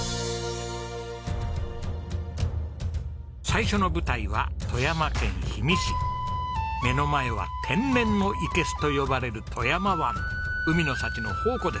最初の舞台は目の前は天然のいけすと呼ばれる富山湾海の幸の宝庫です。